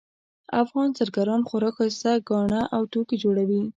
افغان زرګران خورا ښایسته ګاڼه او توکي جوړوي